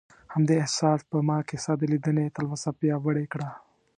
همدې احساس په ما کې ستا د لیدنې تلوسه پیاوړې کړه.